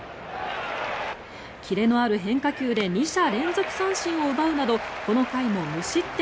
キレのある変化球で２者連続三振を奪うなどこの回も無失点。